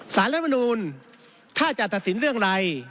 สารรัฐมนูลถ้าจะตัดสินเรื่องอะไร